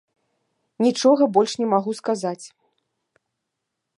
Нічога больш не магу сказаць.